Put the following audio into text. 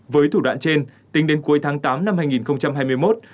với thủ đoạn trên tính đến cuối tháng tám năm hai nghìn hai mươi một